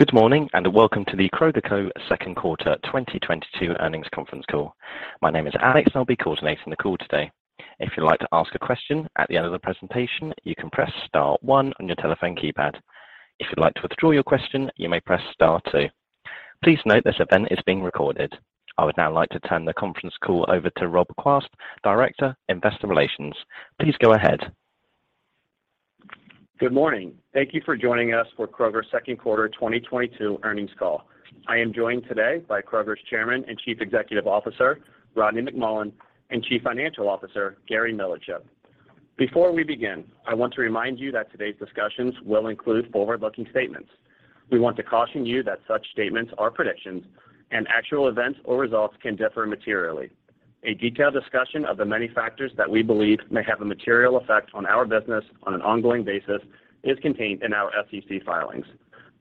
Good morning, and welcome to The Kroger Co. second quarter 2022 earnings conference call. My name is Alex and I'll be coordinating the call today. If you'd like to ask a question at the end of the presentation, you can press star one on your telephone keypad. If you'd like to withdraw your question, you may press star two. Please note this event is being recorded. I would now like to turn the conference call over to Rob Quast, Senior Director, Investor Relations. Please go ahead. Good morning. Thank you for joining us for Kroger's second quarter 2022 earnings call. I am joined today by Kroger's Chairman and Chief Executive Officer, Rodney McMullen, and Chief Financial Officer, Gary Millerchip. Before we begin, I want to remind you that today's discussions will include forward-looking statements. We want to caution you that such statements are predictions and actual events or results can differ materially. A detailed discussion of the many factors that we believe may have a material effect on our business on an ongoing basis is contained in our SEC filings.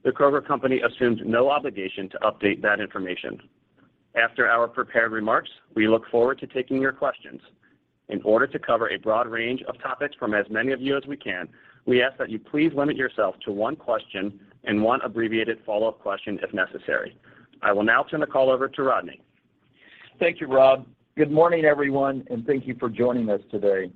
The Kroger Co. assumes no obligation to update that information. After our prepared remarks, we look forward to taking your questions. In order to cover a broad range of topics from as many of you as we can, we ask that you please limit yourself to one question and one abbreviated follow-up question if necessary. I will now turn the call over to Rodney. Thank you, Rob. Good morning, everyone, and thank you for joining us today.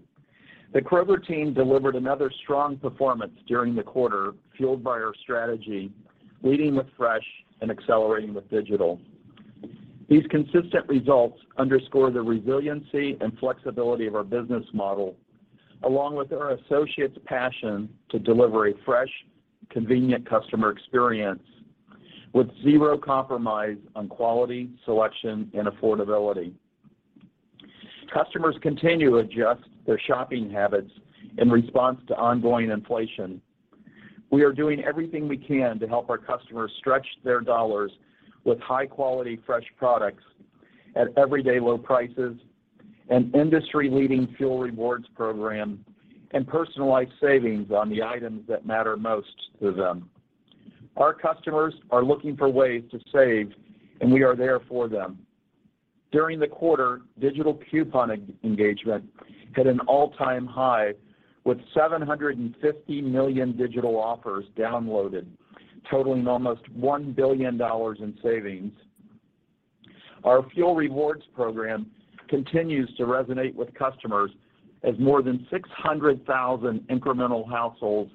The Kroger team delivered another strong performance during the quarter, fueled by our strategy, leading with fresh and accelerating with digital. These consistent results underscore the resiliency and flexibility of our business model, along with our associates' passion to deliver a fresh, convenient customer experience with zero compromise on quality, selection and affordability. Customers continue to adjust their shopping habits in response to ongoing inflation. We are doing everything we can to help our customers stretch their dollars with high quality fresh products at everyday low prices, an industry-leading fuel rewards program and personalized savings on the items that matter most to them. Our customers are looking for ways to save, and we are there for them. During the quarter, digital coupon engagement hit an all-time high with 750 million digital offers downloaded, totaling almost $1 billion in savings. Our fuel rewards program continues to resonate with customers as more than 600,000 incremental households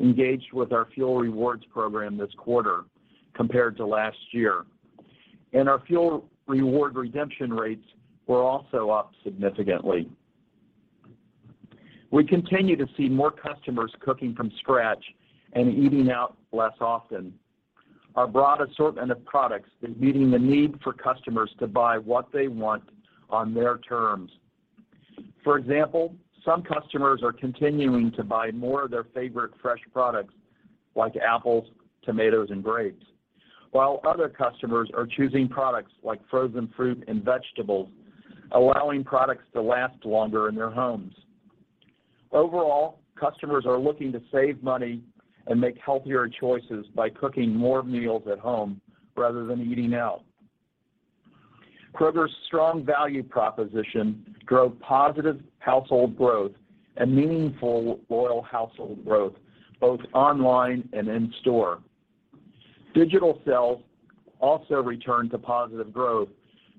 engaged with our fuel rewards program this quarter compared to last year. Our fuel reward redemption rates were also up significantly. We continue to see more customers cooking from scratch and eating out less often. Our broad assortment of products is meeting the need for customers to buy what they want on their terms. For example, some customers are continuing to buy more of their favorite fresh products like apples, tomatoes, and grapes, while other customers are choosing products like frozen fruit and vegetables, allowing products to last longer in their homes. Overall, customers are looking to save money and make healthier choices by cooking more meals at home rather than eating out. Kroger's strong value proposition drove positive household growth and meaningful loyal household growth both online and in store. Digital sales also returned to positive growth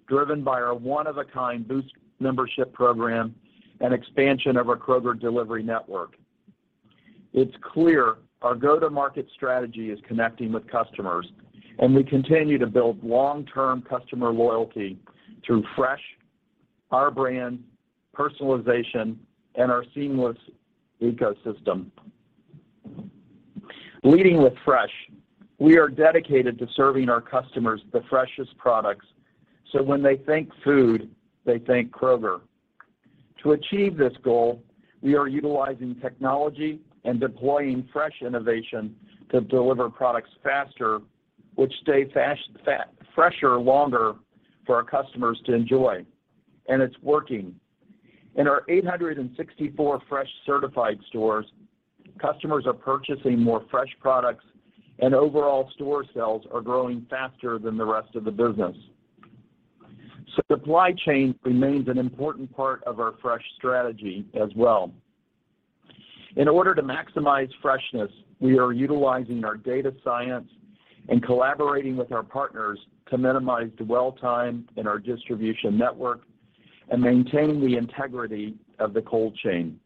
driven by our one of a kind Boost membership program and expansion of our Kroger Delivery network. It's clear our go-to-market strategy is connecting with customers, and we continue to build long-term customer loyalty through fresh, our brand, personalization, and our seamless ecosystem. Leading with fresh, we are dedicated to serving our customers the freshest products, so when they think food, they think Kroger. To achieve this goal, we are utilizing technology and deploying fresh innovation to deliver products faster, which stay fresher longer for our customers to enjoy. It's working. In our 864 fresh certified stores, customers are purchasing more fresh products and overall store sales are growing faster than the rest of the business. Supply chain remains an important part of our fresh strategy as well. In order to maximize freshness, we are utilizing our data science and collaborating with our partners to minimize dwell time in our distribution network and maintain the integrity of the cold chain.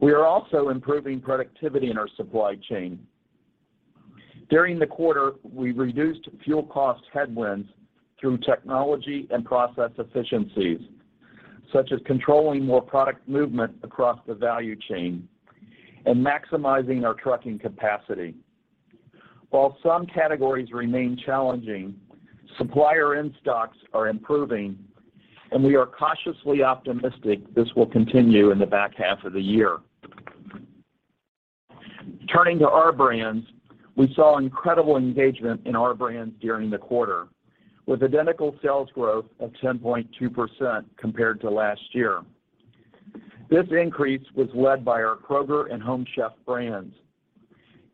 We are also improving productivity in our supply chain. During the quarter, we reduced fuel cost headwinds through technology and process efficiencies, such as controlling more product movement across the value chain and maximizing our trucking capacity. While some categories remain challenging, supplier end stocks are improving, and we are cautiously optimistic this will continue in the back half of the year. Turning to our brands, we saw incredible engagement in our brands during the quarter, with identical sales growth of 10.2% compared to last year. This increase was led by our Kroger and Home Chef brands.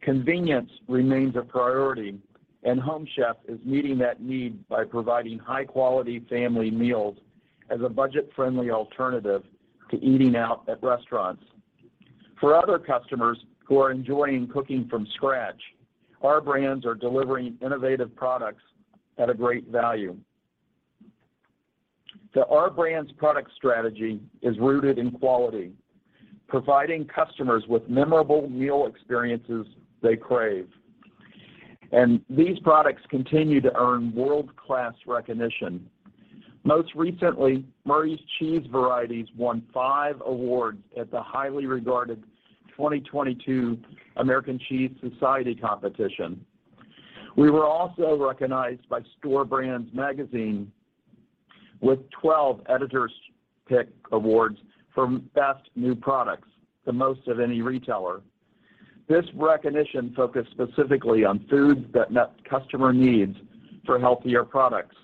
Convenience remains a priority, and Home Chef is meeting that need by providing high-quality family meals as a budget-friendly alternative to eating out at restaurants. For other customers who are enjoying cooking from scratch, our brands are delivering innovative products at a great value. The Our Brands product strategy is rooted in quality, providing customers with memorable meal experiences they crave. These products continue to earn world-class recognition. Most recently, Murray's Cheese varieties won five awards at the highly regarded 2022 American Cheese Society competition. We were also recognized by Store Brands Magazine with 12 Editors' Pick Awards for best new products, the most of any retailer. This recognition focused specifically on foods that met customer needs for healthier products.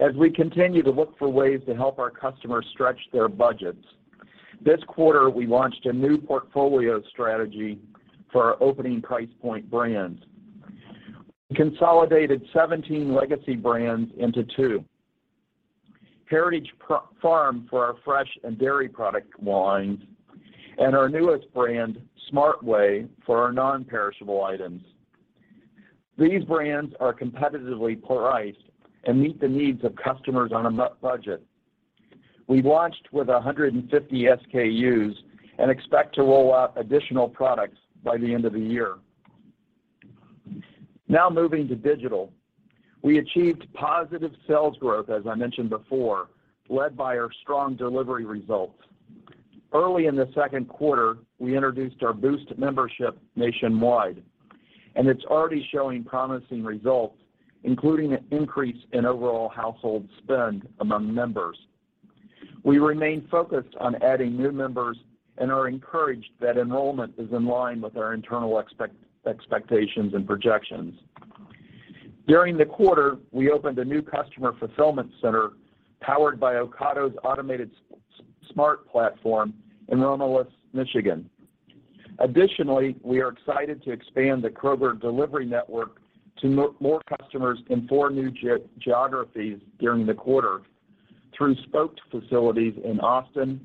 As we continue to look for ways to help our customers stretch their budgets, this quarter we launched a new portfolio strategy for our opening price point brands. We consolidated 17 legacy brands into two, Heritage Farm for our fresh and dairy product lines, and our newest brand, Smart Way, for our non-perishable items. These brands are competitively priced and meet the needs of customers on a budget. We launched with 150 SKUs and expect to roll out additional products by the end of the year. Now moving to digital. We achieved positive sales growth, as I mentioned before, led by our strong delivery results. Early in the second quarter, we introduced our Boost membership nationwide, and it's already showing promising results, including an increase in overall household spend among members. We remain focused on adding new members and are encouraged that enrollment is in line with our internal expectations and projections. During the quarter, we opened a new customer fulfillment center powered by Ocado's automated Smart platform in Romulus, Michigan. Additionally, we are excited to expand the Kroger delivery network to more customers in four new geographies during the quarter through Spoke facilities in Austin,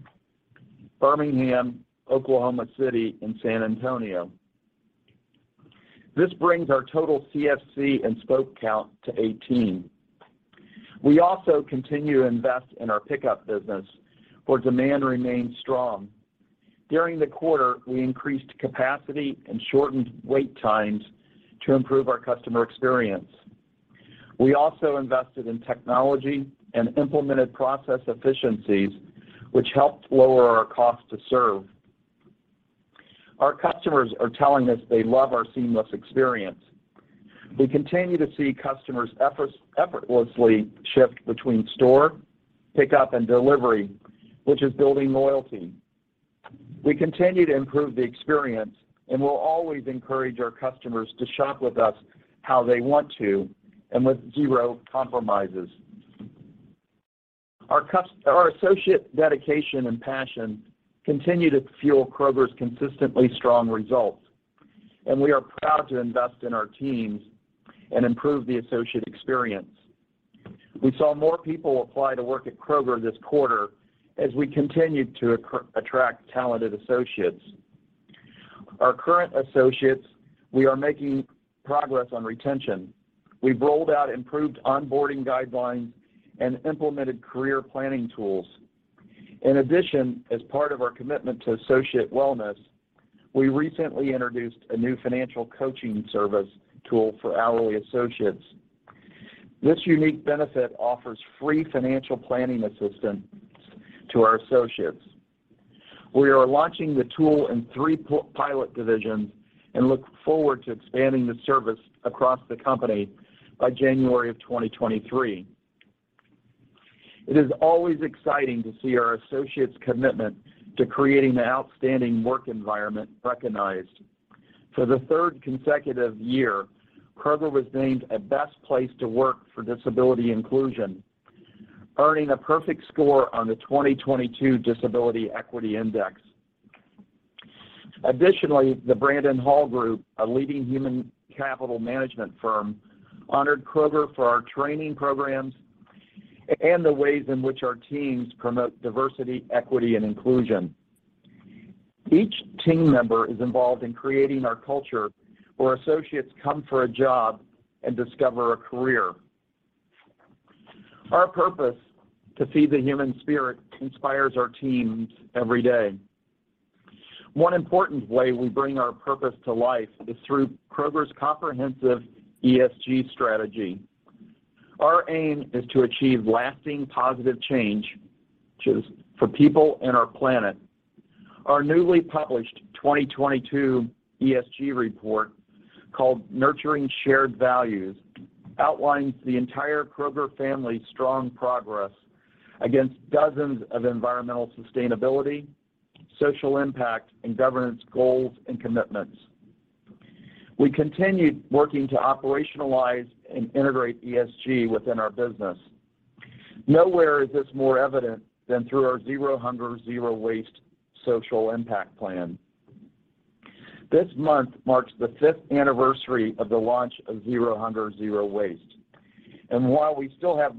Birmingham, Oklahoma City, and San Antonio. This brings our total CFC and Spoke count to 18. We also continue to invest in our pickup business, where demand remains strong. During the quarter, we increased capacity and shortened wait times to improve our customer experience. We also invested in technology and implemented process efficiencies, which helped lower our cost to serve. Our customers are telling us they love our seamless experience. We continue to see customers effortlessly shift between store, pickup, and delivery, which is building loyalty. We continue to improve the experience and will always encourage our customers to shop with us how they want to and with zero compromises. Our associate dedication and passion continue to fuel Kroger's consistently strong results, and we are proud to invest in our teams and improve the associate experience. We saw more people apply to work at Kroger this quarter as we continued to attract talented associates. Our current associates, we are making progress on retention. We've rolled out improved onboarding guidelines and implemented career planning tools. In addition, as part of our commitment to associate wellness, we recently introduced a new financial coaching service tool for hourly associates. This unique benefit offers free financial planning assistance to our associates. We are launching the tool in three pilot divisions and look forward to expanding the service across the company by January of 2023. It is always exciting to see our associates' commitment to creating an outstanding work environment recognized. For the third consecutive year, Kroger was named a best place to work for disability inclusion, earning a perfect score on the 2022 Disability Equality Index. Additionally, the Brandon Hall Group, a leading human capital management firm, honored Kroger for our training programs and the ways in which our teams promote diversity, equity, and inclusion. Each team member is involved in creating our culture where associates come for a job and discover a career. Our purpose to feed the human spirit inspires our teams every day. One important way we bring our purpose to life is through Kroger's comprehensive ESG strategy. Our aim is to achieve lasting positive change for people and our planet. Our newly published 2022 ESG report called Nurturing Shared Values outlines the entire Kroger family's strong progress against dozens of environmental sustainability, social impact, and governance goals and commitments. We continued working to operationalize and integrate ESG within our business. Nowhere is this more evident than through our Zero Hunger | Zero Waste social impact plan. This month marks the fifth anniversary of the launch of Zero Hunger | Zero Waste. While we still have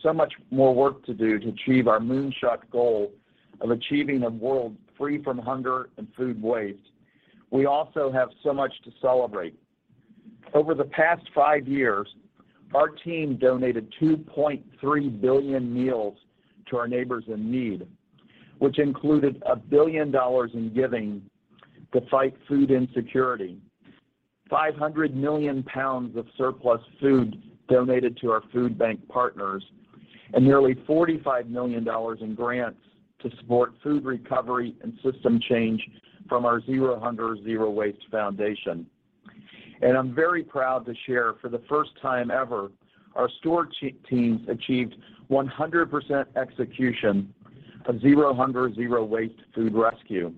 so much more work to do to achieve our moonshot goal of achieving a world free from hunger and food waste, we also have so much to celebrate. Over the past five years, our team donated 2.3 billion meals to our neighbors in need, which included $1 billion in giving to fight food insecurity, 500 million pounds of surplus food donated to our food bank partners, and nearly $45 million in grants to support food recovery and system change from our Zero Hunger | Zero Waste Foundation. I'm very proud to share for the first time ever, our store teams achieved 100% execution of Zero Hunger | Zero Waste food rescue,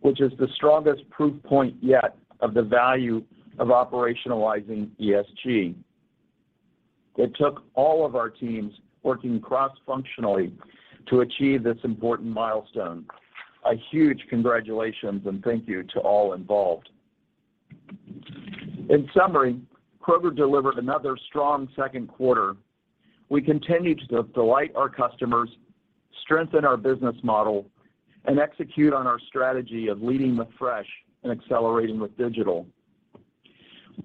which is the strongest proof point yet of the value of operationalizing ESG. It took all of our teams working cross-functionally to achieve this important milestone. A huge congratulations and thank you to all involved. In summary, Kroger delivered another strong second quarter. We continue to delight our customers, strengthen our business model, and execute on our strategy of leading with fresh and accelerating with digital.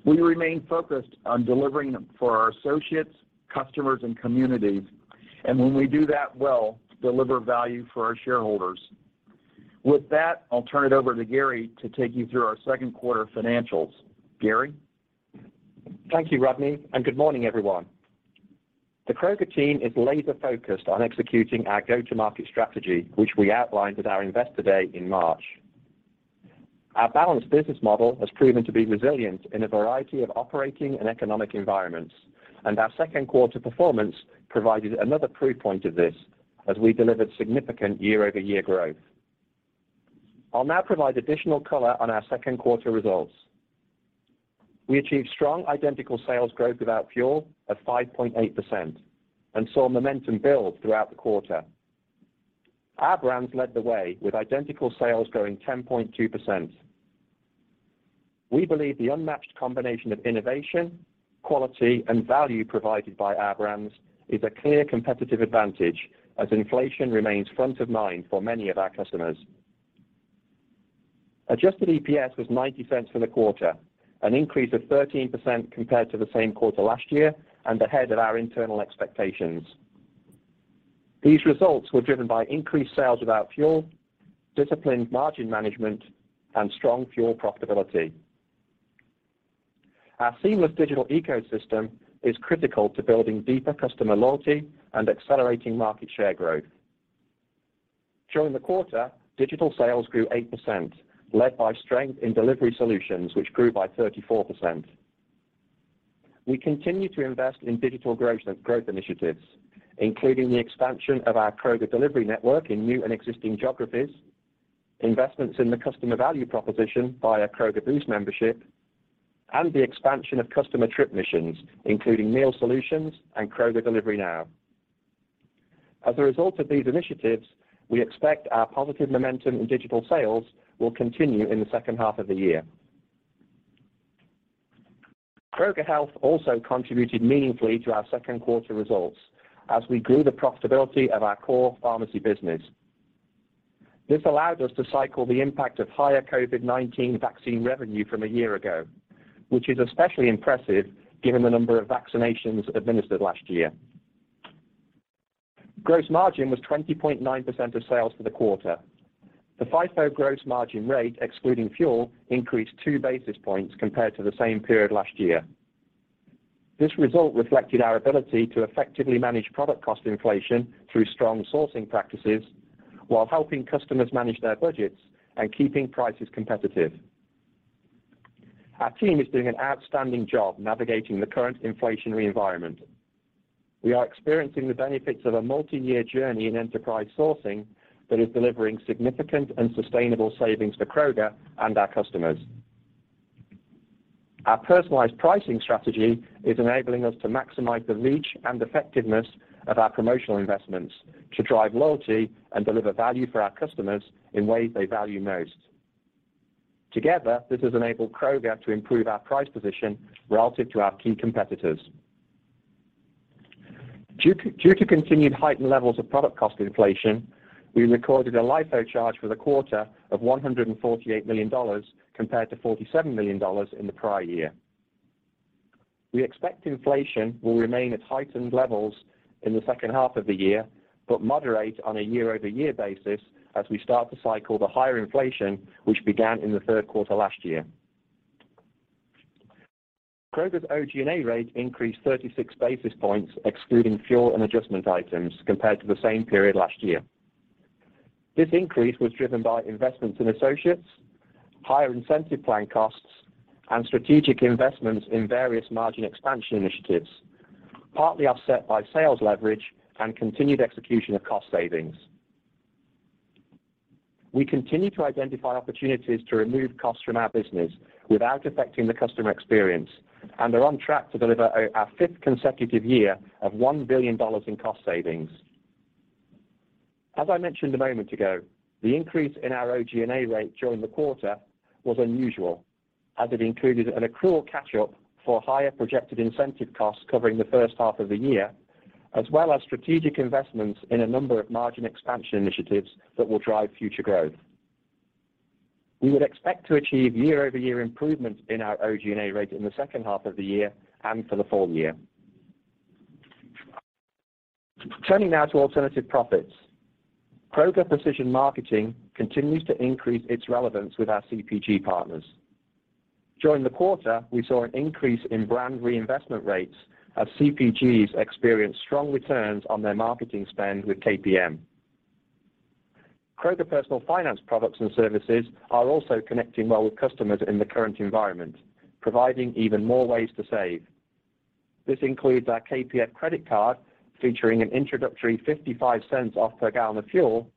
We remain focused on delivering for our associates, customers, and communities, and when we do that well, deliver value for our shareholders. With that, I'll turn it over to Gary to take you through our second quarter financials. Gary? Thank you, Rodney, and good morning, everyone. The Kroger team is laser-focused on executing our go-to-market strategy, which we outlined at our Investor Day in March. Our balanced business model has proven to be resilient in a variety of operating and economic environments, and our second quarter performance provided another proof point of this as we delivered significant year-over-year growth. I'll now provide additional color on our second quarter results. We achieved strong identical sales growth without fuel of 5.8% and saw momentum build throughout the quarter. Our Brands led the way with identical sales growing 10.2%. We believe the unmatched combination of innovation, quality, and value provided by our brands is a clear competitive advantage as inflation remains front of mind for many of our customers. Adjusted EPS was $0.90 for the quarter, an increase of 13% compared to the same quarter last year and ahead of our internal expectations. These results were driven by increased sales without fuel, disciplined margin management, and strong fuel profitability. Our seamless digital ecosystem is critical to building deeper customer loyalty and accelerating market share growth. During the quarter, digital sales grew 8%, led by strength in delivery solutions, which grew by 34%. We continue to invest in digital growth initiatives, including the expansion of our Kroger delivery network in new and existing geographies, investments in the customer value proposition via Kroger Boost membership, and the expansion of customer trip missions, including Meal Solutions and Kroger Delivery Now. As a result of these initiatives, we expect our positive momentum in digital sales will continue in the second half of the year. Kroger Health also contributed meaningfully to our second quarter results as we grew the profitability of our core pharmacy business. This allowed us to cycle the impact of higher COVID-19 vaccine revenue from a year ago, which is especially impressive given the number of vaccinations administered last year. Gross margin was 20.9% of sales for the quarter. The FIFO gross margin rate, excluding fuel, increased two basis points compared to the same period last year. This result reflected our ability to effectively manage product cost inflation through strong sourcing practices while helping customers manage their budgets and keeping prices competitive. Our team is doing an outstanding job navigating the current inflationary environment. We are experiencing the benefits of a multi-year journey in enterprise sourcing that is delivering significant and sustainable savings for Kroger and our customers. Our personalized pricing strategy is enabling us to maximize the reach and effectiveness of our promotional investments to drive loyalty and deliver value for our customers in ways they value most. Together, this has enabled Kroger to improve our price position relative to our key competitors. Due to continued heightened levels of product cost inflation, we recorded a LIFO charge for the quarter of $148 million compared to $47 million in the prior year. We expect inflation will remain at heightened levels in the second half of the year, but moderate on a year-over-year basis as we start to cycle the higher inflation, which began in the third quarter last year. Kroger's OG&A rate increased 36 basis points excluding fuel and adjustment items compared to the same period last year. This increase was driven by investments in associates, higher incentive plan costs, and strategic investments in various margin expansion initiatives, partly offset by sales leverage and continued execution of cost savings. We continue to identify opportunities to remove costs from our business without affecting the customer experience and are on track to deliver our fifth consecutive year of $1 billion in cost savings. As I mentioned a moment ago, the increase in our OG&A rate during the quarter was unusual, as it included an accrual catch-up for higher projected incentive costs covering the first half of the year, as well as strategic investments in a number of margin expansion initiatives that will drive future growth. We would expect to achieve year-over-year improvements in our OG&A rate in the second half of the year and for the full year. Turning now to alternative profits. Kroger Precision Marketing continues to increase its relevance with our CPG partners. During the quarter, we saw an increase in brand reinvestment rates as CPGs experienced strong returns on their marketing spend with KPM. Kroger Personal Finance products and services are also connecting well with customers in the current environment, providing even more ways to save. This includes our KPM credit card featuring an introductory $0.55 off per gallon of fuel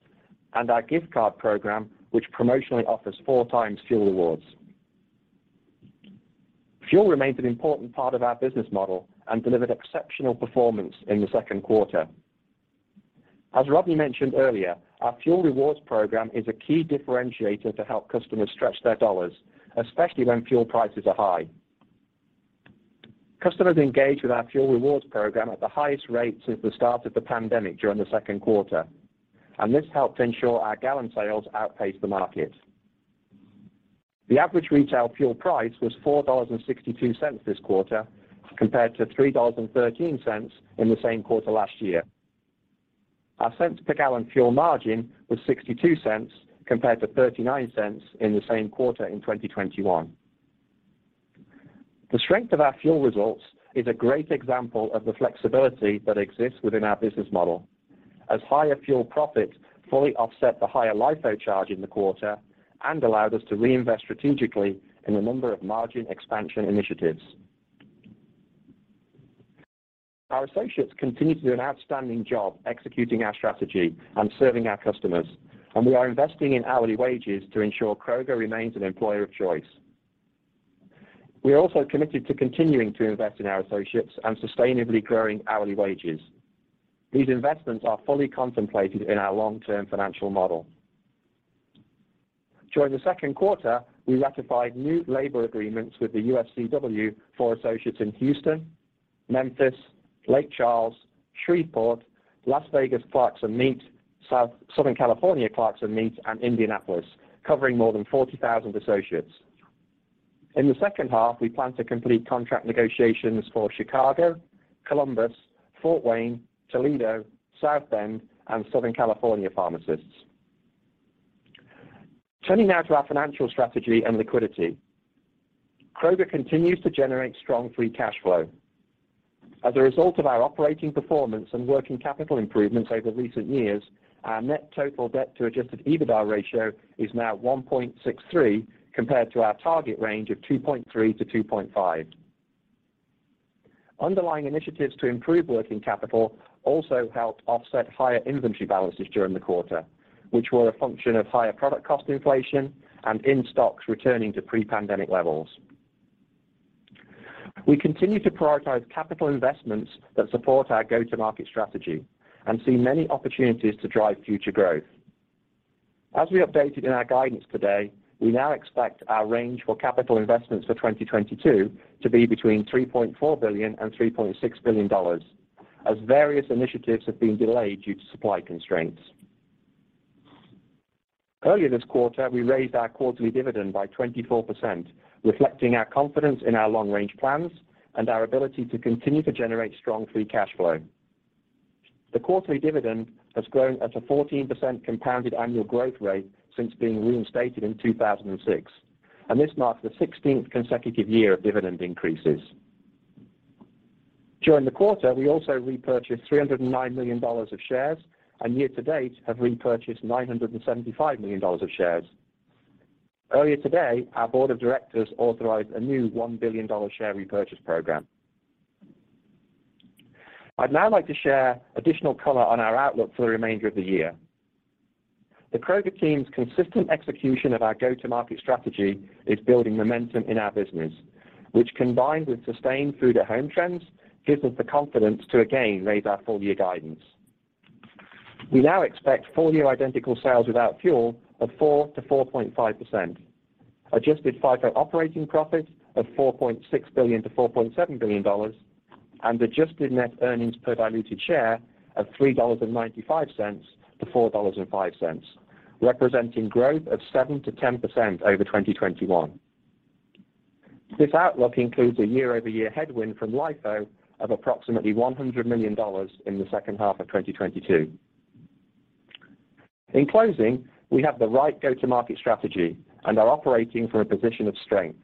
and our gift card program, which promotionally offers four times fuel rewards. Fuel remains an important part of our business model and delivered exceptional performance in the second quarter. As Rodney mentioned earlier, our fuel rewards program is a key differentiator to help customers stretch their dollars, especially when fuel prices are high. Customers engaged with our fuel rewards program at the highest rate since the start of the pandemic during the second quarter, and this helped ensure our gallon sales outpaced the market. The average retail fuel price was $4.62 this quarter, compared to $3.13 in the same quarter last year. Our cents per gallon fuel margin was $0.62 compared to $0.39 in the same quarter in 2021. The strength of our fuel results is a great example of the flexibility that exists within our business model as higher fuel profits fully offset the higher LIFO charge in the quarter and allowed us to reinvest strategically in a number of margin expansion initiatives. Our associates continue to do an outstanding job executing our strategy and serving our customers, and we are investing in hourly wages to ensure Kroger remains an employer of choice. We are also committed to continuing to invest in our associates and sustainably growing hourly wages. These investments are fully contemplated in our long-term financial model. During the second quarter, we ratified new labor agreements with the UFCW for associates in Houston, Memphis, Lake Charles, Shreveport, Las Vegas, Clerks and Meat, Southern California, and Indianapolis, covering more than 40,000 associates. In the second half, we plan to complete contract negotiations for Chicago, Columbus, Fort Wayne, Toledo, South Bend, and Southern California pharmacists. Turning now to our financial strategy and liquidity. Kroger continues to generate strong free cash flow. As a result of our operating performance and working capital improvements over recent years, our net total debt to adjusted EBITDA ratio is now 1.63 compared to our target range of 2.3-2.5. Underlying initiatives to improve working capital also helped offset higher inventory balances during the quarter, which were a function of higher product cost inflation and in-stocks returning to pre-pandemic levels. We continue to prioritize capital investments that support our go-to-market strategy and see many opportunities to drive future growth. As we updated in our guidance today, we now expect our range for capital investments for 2022 to be between $3.4 billion and $3.6 billion as various initiatives have been delayed due to supply constraints. Earlier this quarter, we raised our quarterly dividend by 24%, reflecting our confidence in our long-range plans and our ability to continue to generate strong free cash flow. The quarterly dividend has grown at a 14% compounded annual growth rate since being reinstated in 2006, and this marks the 16th consecutive year of dividend increases. During the quarter, we also repurchased $309 million of shares, and year to date have repurchased $975 million of shares. Earlier today, our board of directors authorized a new $1 billion share repurchase program. I'd now like to share additional color on our outlook for the remainder of the year. The Kroger team's consistent execution of our go-to-market strategy is building momentum in our business, which combined with sustained food at home trends, gives us the confidence to again raise our full year guidance. We now expect full year identical sales without fuel of 4%-4.5%. Adjusted FIFO operating profits of $4.6 billion-$4.7 billion and adjusted net earnings per diluted share of $3.95-$4.05, representing growth of 7%-10% over 2021. This outlook includes a year-over-year headwind from LIFO of approximately $100 million in the second half of 2022. In closing, we have the right go-to-market strategy and are operating from a position of strength.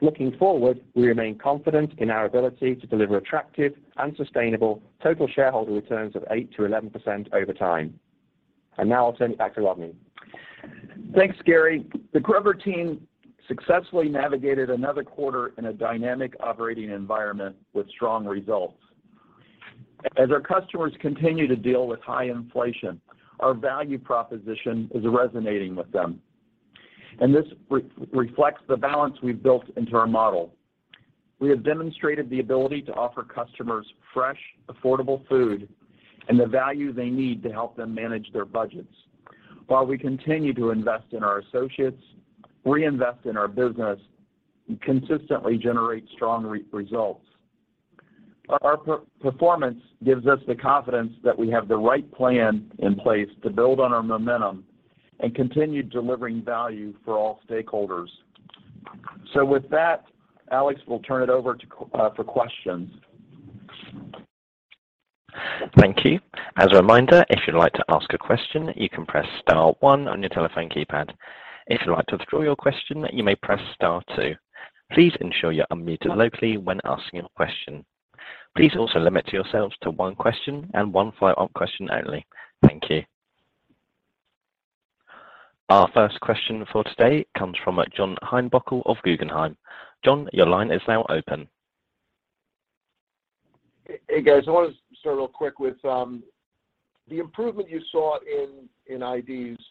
Looking forward, we remain confident in our ability to deliver attractive and sustainable total shareholder returns of 8%-11% over time. Now I'll send it back to Rodney. Thanks, Gary. The Kroger team successfully navigated another quarter in a dynamic operating environment with strong results. As our customers continue to deal with high inflation, our value proposition is resonating with them. This reflects the balance we've built into our model. We have demonstrated the ability to offer customers fresh, affordable food and the value they need to help them manage their budgets while we continue to invest in our associates, reinvest in our business, and consistently generate strong results. Our performance gives us the confidence that we have the right plan in place to build on our momentum and continue delivering value for all stakeholders. With that, Alex will turn it over to for questions. Thank you. As a reminder, if you'd like to ask a question, you can press star one on your telephone keypad. If you'd like to withdraw your question, you may press star two. Please ensure you're unmuted locally when asking a question. Please also limit yourselves to one question and one follow-up question only. Thank you. Our first question for today comes from John Heinbockel of Guggenheim. John, your line is now open. Hey, guys. I wanna start real quick with the improvement you saw in IDs.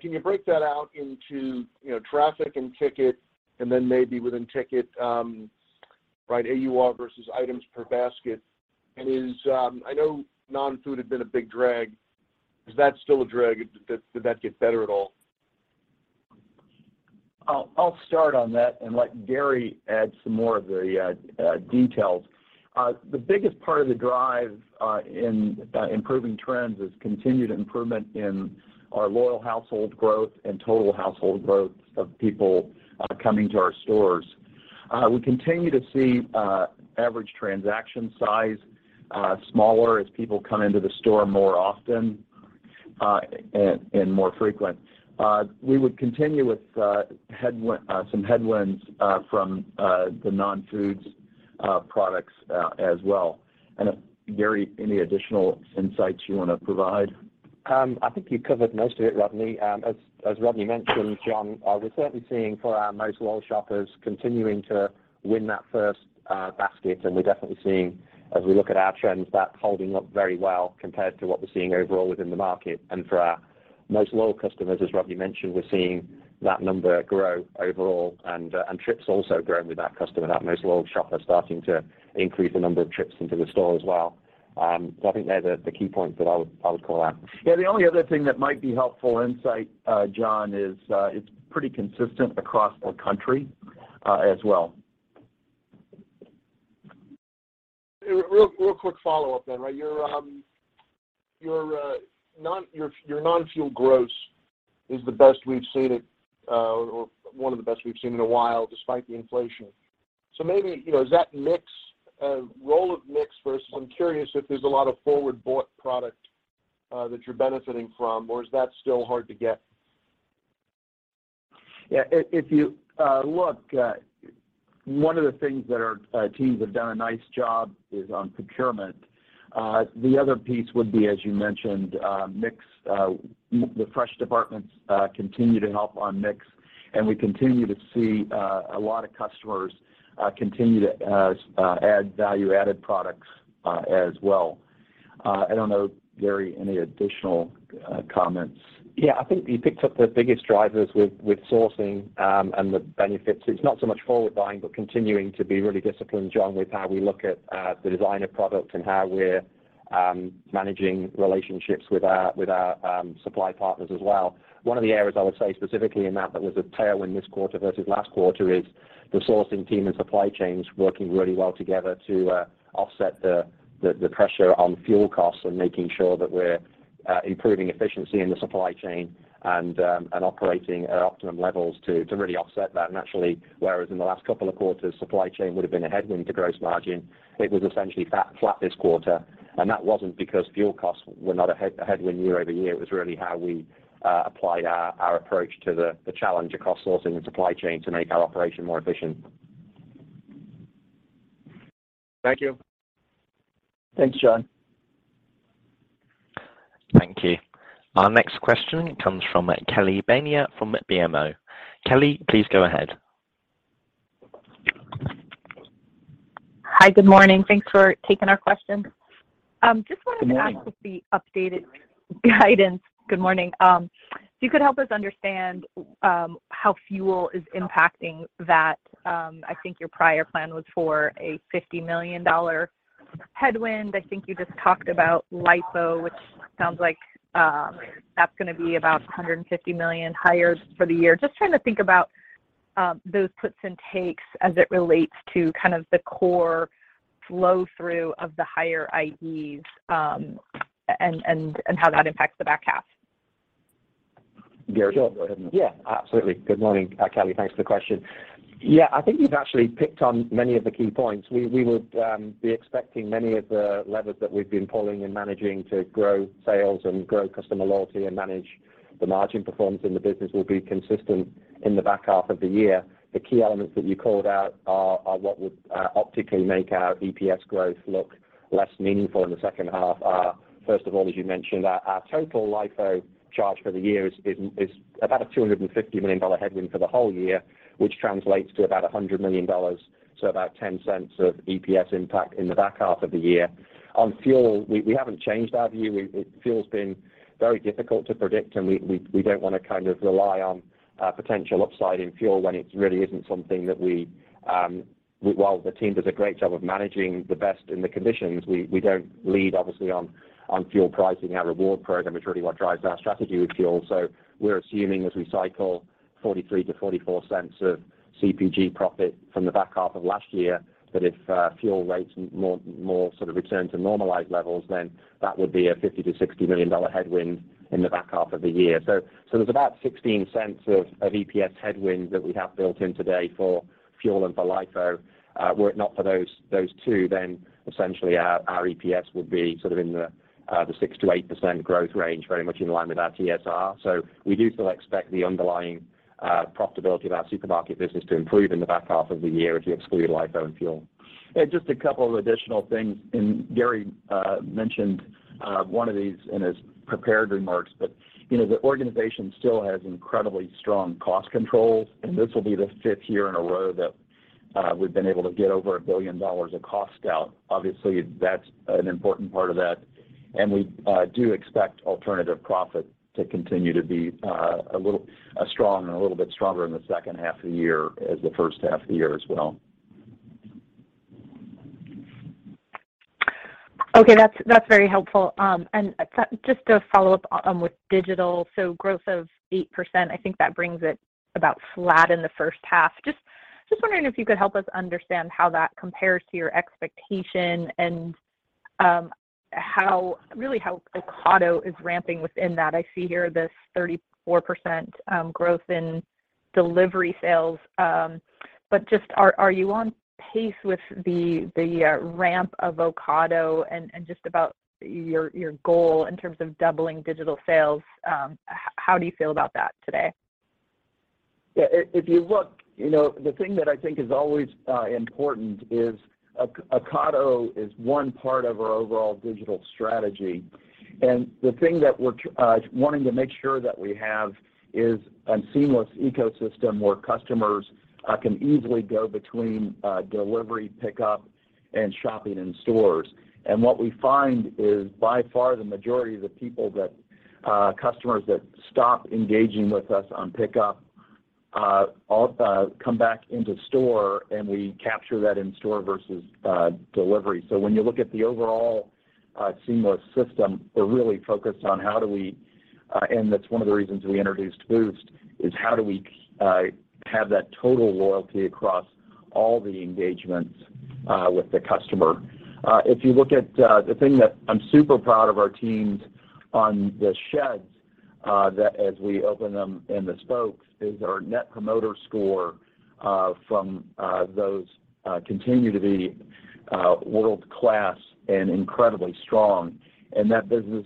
Can you break that out into, you know, traffic and ticket and then maybe within ticket, right, AUR versus items per basket? And I know non-food had been a big drag. Is that still a drag? Did that get better at all? I'll start on that and let Gary add some more of the details. The biggest part of the drive in improving trends is continued improvement in our loyal household growth and total household growth of people coming to our stores. We continue to see average transaction size smaller as people come into the store more often and more frequent. We would continue with some headwinds from the non-foods products as well. Gary, any additional insights you wanna provide? I think you've covered most of it, Rodney. As Rodney mentioned, John, we're certainly seeing for our most loyal shoppers continuing to win that first basket. We're definitely seeing as we look at our trends, that holding up very well compared to what we're seeing overall within the market. For our most loyal customers, as Rodney mentioned, we're seeing that number grow overall and trips also growing with that customer, that most loyal shopper starting to increase the number of trips into the store as well. I think they're the key points that I would call out. Yeah. The only other thing that might be helpful insight, John, is it's pretty consistent across the country as well. Real quick follow-up then. Right. Your non-fuel gross is the best we've seen it, or one of the best we've seen in a while despite the inflation. Maybe, you know, is that mix, role of mix versus I'm curious if there's a lot of forward-bought product that you're benefiting from, or is that still hard to get? Yeah, if you look, one of the things that our teams have done a nice job is on procurement. The other piece would be, as you mentioned, mix. The fresh departments continue to help on mix, and we continue to see a lot of customers continue to add value-added products as well. I don't know, Gary, any additional comments. Yeah. I think you picked up the biggest drivers with sourcing and the benefits. It's not so much forward buying, but continuing to be really disciplined, John, with how we look at the design of product and how we're managing relationships with our supply partners as well. One of the areas I would say specifically in that that was a tailwind this quarter versus last quarter is the sourcing team and supply chains working really well together to offset the pressure on fuel costs and making sure that we're improving efficiency in the supply chain and operating at optimum levels to really offset that naturally. Whereas in the last couple of quarters, supply chain would've been a headwind to gross margin. It was essentially flat this quarter, and that wasn't because fuel costs were not a headwind year over year. It was really how we applied our approach to the challenge across sourcing and supply chain to make our operation more efficient. Thank you. Thanks, John. Thank you. Our next question comes from Kelly Bania from BMO. Kelly, please go ahead. Hi. Good morning. Thanks for taking our questions. Just wanted to ask. Good morning. With the updated guidance. Good morning. If you could help us understand how fuel is impacting that. I think your prior plan was for a $50 million headwind. I think you just talked about LIFO, which sounds like that's gonna be about a $150 million higher for the year. Just trying to think about those puts and takes as it relates to kind of the core flow through of the higher IDs, and how that impacts the back half. Gary, go ahead. Yeah, absolutely. Good morning, Kelly. Thanks for the question. Yeah. I think you've actually picked on many of the key points. We would be expecting many of the levers that we've been pulling in managing to grow sales and grow customer loyalty and manage the margin performance in the business will be consistent in the back half of the year. The key elements that you called out are what would optically make our EPS growth look less meaningful in the second half are, first of all, as you mentioned, our total LIFO charge for the year is about a $250 million headwind for the whole year, which translates to about $100 million, so about 10 cents of EPS impact in the back half of the year. On fuel, we haven't changed our view. Fuel's been very difficult to predict, and we don't wanna kind of rely on potential upside in fuel when it's really isn't something that we, while the team does a great job of managing the best in the conditions, we don't lead obviously on fuel pricing. Our reward program is really what drives our strategy with fuel. We're assuming as we cycle $0.43-$0.44 of CPG profit from the back half of last year that if fuel rates more sort of return to normalized levels, then that would be a $50-$60 million headwind in the back half of the year. There's about $0.16 of EPS headwind that we have built in today for fuel and for LIFO. Were it not for those two, then essentially our EPS would be sort of in the 6%-8% growth range, very much in line with our TSR. We do still expect the underlying profitability of our supermarket business to improve in the back half of the year if you exclude LIFO and fuel. Just a couple of additional things, and Gary mentioned one of these in his prepared remarks, but you know, the organization still has incredibly strong cost controls, and this will be the fifth year in a row that we've been able to get over $1 billion of cost out. Obviously, that's an important part of that, and we do expect alternative profit to continue to be a little strong and a little bit stronger in the second half of the year as the first half of the year as well. Okay. That's very helpful. To follow up with digital, so growth of 8%, I think that brings it about flat in the first half. Just wondering if you could help us understand how that compares to your expectation and how really Ocado is ramping within that. I see here this 34% growth in delivery sales, but just are you on pace with the ramp of Ocado and just about your goal in terms of doubling digital sales? How do you feel about that today? Yeah. If you look, you know, the thing that I think is always important is Ocado is one part of our overall digital strategy. The thing that we're wanting to make sure that we have is a seamless ecosystem where customers can easily go between delivery, pickup, and shopping in stores. What we find is by far the majority of the customers that stop engaging with us on pickup all come back into store, and we capture that in store versus delivery. When you look at the overall seamless system, we're really focused on how do we, and that's one of the reasons we introduced Boost, is how do we have that total loyalty across all the engagements with the customer. If you look at the thing that I'm super proud of our teams on the sheds, that as we open them and the spokes is our Net Promoter Score from those continue to be world-class and incredibly strong. That business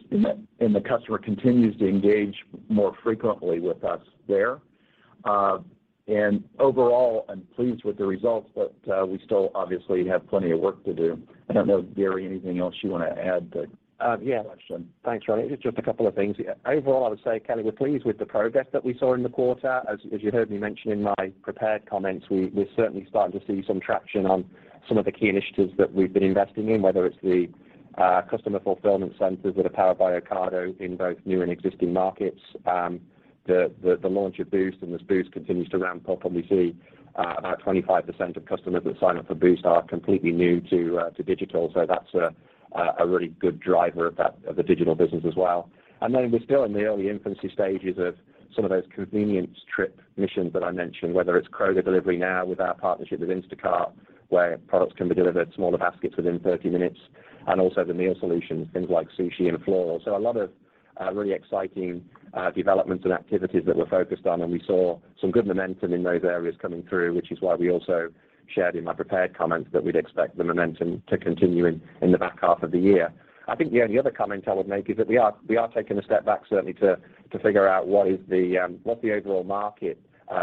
and the customer continues to engage more frequently with us there. Overall, I'm pleased with the results, but we still obviously have plenty of work to do. I don't know, Gary, anything else you want to add but- Yeah. Thanks, Rodney. Just a couple of things. Overall, I would say, Kelly, we're pleased with the progress that we saw in the quarter. As you heard me mention in my prepared comments, we're certainly starting to see some traction on some of the key initiatives that we've been investing in, whether it's the customer fulfillment centers that are powered by Ocado in both new and existing markets. The launch of Boost, and as Boost continues to ramp up, and we see about 25% of customers that sign up for Boost are completely new to digital. That's a really good driver of that, of the digital business as well. We're still in the early infancy stages of some of those convenience trip missions that I mentioned, whether it's Kroger Delivery Now with our partnership with Instacart, where products can be delivered, smaller baskets within 30 minutes, and also the Meal Solutions, things like sushi and floral. A lot of really exciting developments and activities that we're focused on, and we saw some good momentum in those areas coming through, which is why we also shared in my prepared comments that we'd expect the momentum to continue in the back half of the year. I think the only other comment I would make is that we are taking a step back certainly to figure out what's the overall market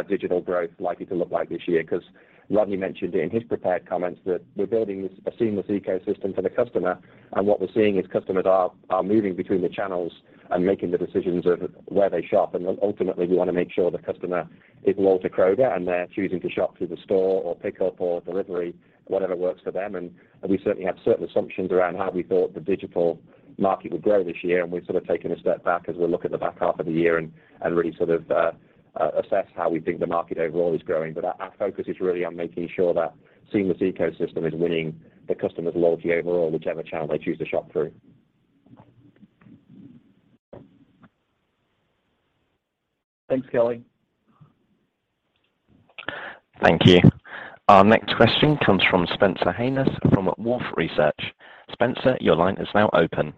digital growth likely to look like this year. Because Rodney mentioned it in his prepared comments that we're building this, a seamless ecosystem for the customer, and what we're seeing is customers are moving between the channels and making the decisions of where they shop. Ultimately, we want to make sure the customer is loyal to Kroger, and they're choosing to shop through the store or pickup or delivery, whatever works for them. We certainly have certain assumptions around how we thought the digital market would grow this year, and we've sort of taken a step back as we look at the back half of the year and really sort of assess how we think the market overall is growing. Our focus is really on making sure that seamless ecosystem is winning the customer's loyalty overall, whichever channel they choose to shop through. Thanks, Kelly. Thank you. Our next question comes from Spencer Hanus from Wolfe Research. Spencer, your line is now open.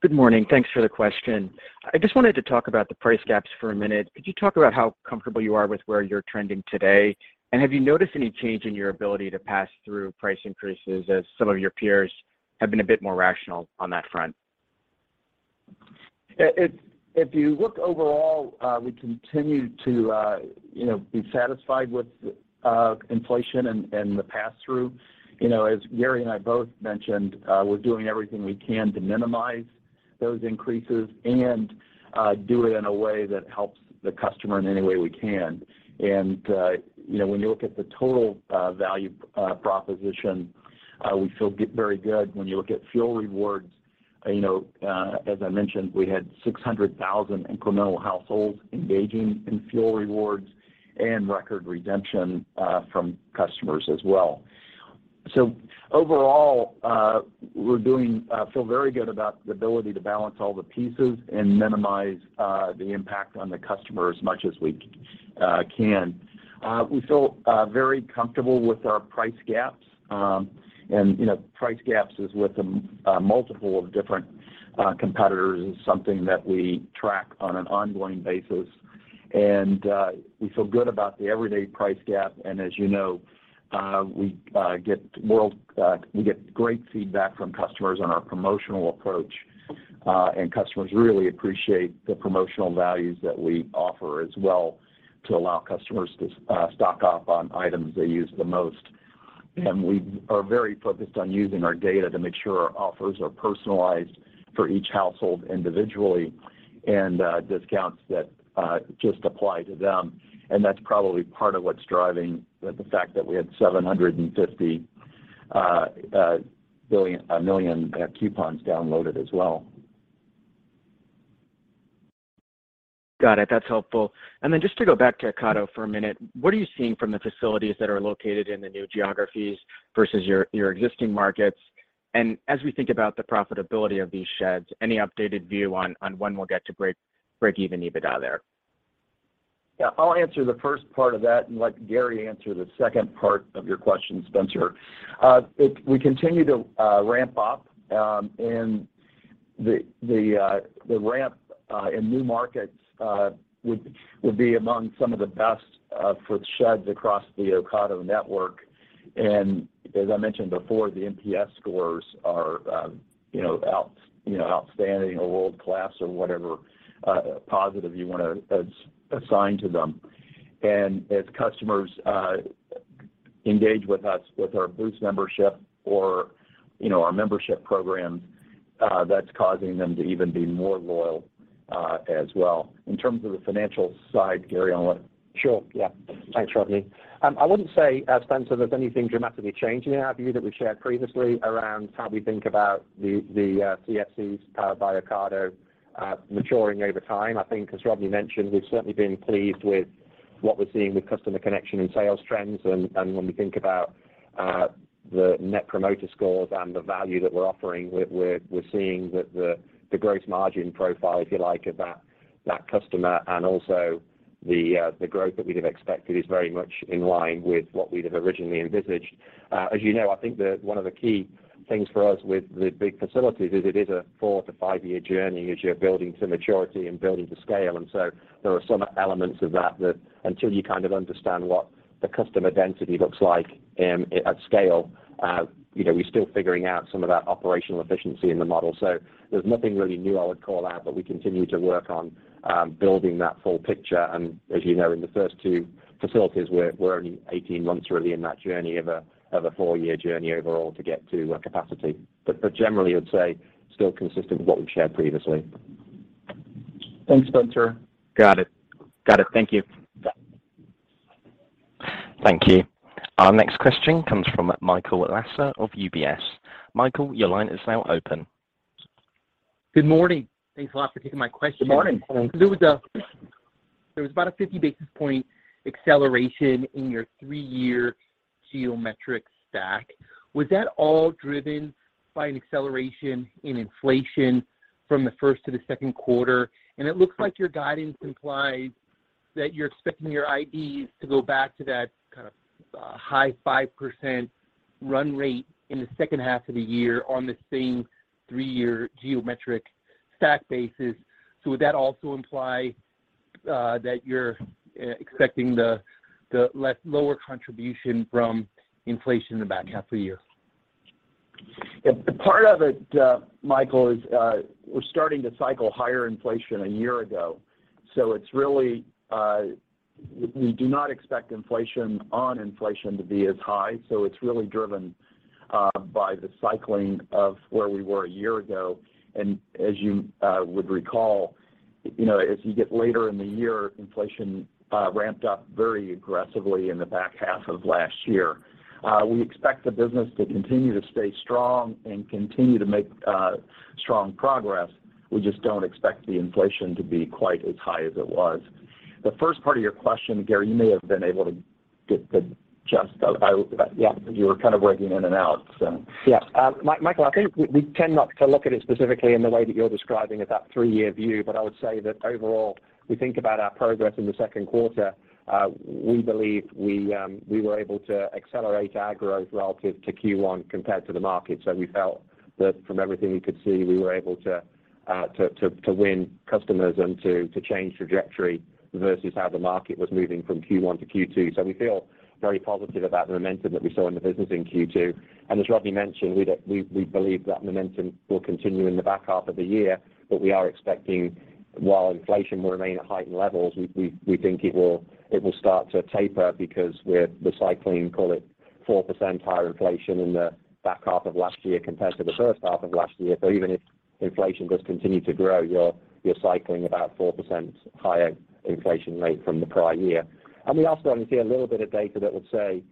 Good morning. Thanks for the question. I just wanted to talk about the price gaps for a minute. Could you talk about how comfortable you are with where you're trending today? Have you noticed any change in your ability to pass through price increases as some of your peers have been a bit more rational on that front? If you look overall, we continue to, you know, be satisfied with inflation and the pass-through. You know, as Gary and I both mentioned, we're doing everything we can to minimize those increases and do it in a way that helps the customer in any way we can. You know, when you look at the total value proposition, we feel very good. When you look at fuel rewards, you know, as I mentioned, we had 600,000 incremental households engaging in fuel rewards and record redemption from customers as well. Overall, I feel very good about the ability to balance all the pieces and minimize the impact on the customer as much as we can. We feel very comfortable with our price gaps, you know, price gaps is with a multiple of different competitors and something that we track on an ongoing basis. We feel good about the everyday price gap and as you know, we get great feedback from customers on our promotional approach, and customers really appreciate the promotional values that we offer as well to allow customers to stock up on items they use the most. We are very focused on using our data to make sure our offers are personalized for each household individually and discounts that just apply to them and that's probably part of what's driving the fact that we had 750 million coupons downloaded as well. Got it. That's helpful. Then just to go back to Ocado for a minute, what are you seeing from the facilities that are located in the new geographies versus your existing markets? As we think about the profitability of these sheds, any updated view on when we'll get to break even EBITDA there? Yeah, I'll answer the first part of that and let Gary answer the second part of your question, Spencer. We continue to ramp up, and the ramp in new markets would be among some of the best for sheds across the Ocado network. As I mentioned before, the NPS scores are, you know, outstanding or world-class or whatever positive you wanna assign to them. As customers engage with us, with our Boost membership or, you know, our membership programs, that's causing them to even be more loyal, as well. In terms of the financial side, Gary, I'll let- Sure, yeah. Thanks, Rodney. I wouldn't say, Spencer, there's anything dramatically changing in our view that we've shared previously around how we think about the CFCs powered by Ocado maturing over time. I think as Rodney mentioned, we've certainly been pleased with what we're seeing with customer connection and sales trends and when we think about the net promoter scores and the value that we're offering we're seeing that the gross margin profile, if you like, of that customer and also the growth that we'd have expected is very much in line with what we'd have originally envisaged. As you know, I think one of the key things for us with the big facilities is it is a 4-5-year journey as you're building to maturity and building to scale. There are some elements of that that until you kind of understand what the customer density looks like at scale, you know, we're still figuring out some of that operational efficiency in the model. There's nothing really new I would call out, but we continue to work on building that full picture and as you know, in the first two facilities, we're only 18 months really in that journey of a four-year journey overall to get to capacity. Generally I'd say still consistent with what we've shared previously. Thanks, Spencer. Got it. Thank you. Yeah. Thank you. Our next question comes from Michael Lasser of UBS. Michael, your line is now open. Good morning. Thanks a lot for taking my question. Good morning. There was about a 50 basis point acceleration in your three-year geometric stack. Was that all driven by an acceleration in inflation from the first to the second quarter? It looks like your guidance implies that you're expecting your IDs to go back to that kind of high 5% run rate in the second half of the year on the same three-year geometric stack basis. Would that also imply that you're expecting the lower contribution from inflation in the back half of the year? Yeah, part of it, Michael, is, we're starting to cycle higher inflation a year ago, so it's really. We do not expect inflation on inflation to be as high, so it's really driven by the cycling of where we were a year ago and as you would recall, you know, as you get later in the year, inflation ramped up very aggressively in the back half of last year. We expect the business to continue to stay strong and continue to make strong progress. We just don't expect the inflation to be quite as high as it was. The first part of your question, Gary, you may have been able to get the gist of. Yeah, you were kind of breaking in and out so. Michael, I think we tend not to look at it specifically in the way that you're describing at that three-year view. I would say that overall, we think about our progress in the second quarter. We believe we were able to accelerate our growth relative to Q1 compared to the market. We felt that from everything we could see, we were able to win customers and to change trajectory versus how the market was moving from Q1 to Q2. We feel very positive about the momentum that we saw in the business in Q2. As Rodney mentioned, we believe that momentum will continue in the back half of the year, but we are expecting while inflation will remain at heightened levels, we think it will start to taper because we're recycling, call it 4% higher inflation in the back half of last year compared to the first half of last year. Even if inflation does continue to grow, you're cycling about 4% higher inflation rate from the prior year. We also only see a little bit of data that would say,